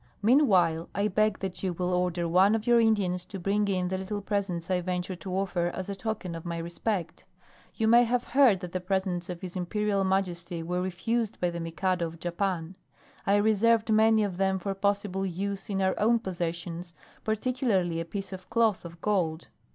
Meanwhile, I beg that you will order one of your Indians to bring in the little presents I venture to offer as a token of my respect. You may have heard that the presents of his Imperial Majesty were refused by the Mikado of Japan. I reserved many of them for possible use in our own possessions, particularly a piece of cloth of gold.